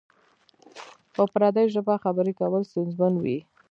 په پردۍ ژبه خبری کول ستونزمن وی؟